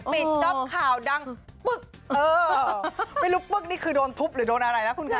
จ๊อปข่าวดังปึ๊กเออไม่รู้ปึ๊กนี่คือโดนทุบหรือโดนอะไรนะคุณคะ